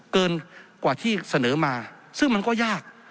เกินกว่าที่เสนอมาซึ่งมันก็ยาก